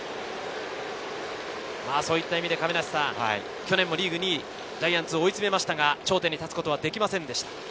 去年もリーグ２位、ジャイアンツを追い詰めましたが頂点に立つことはできませんでした。